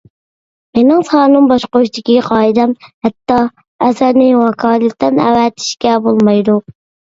مېنىڭ سالون باشقۇرۇشتىكى قائىدەم ھەتتا ئەسەرنى ۋاكالىتەن ئەۋەتىشكە بولمايدۇ.